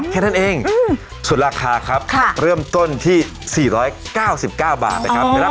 แค่นั้นเองอืมส่วนราคาครับค่ะเริ่มต้นที่สี่ร้อยเก้าสิบเก้าบาทนะครับ